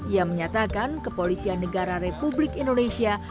ia menyatakan kepolisian negara republik indonesia